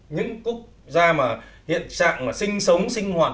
những quốc gia mà hiện trạng sinh sống sinh hoạt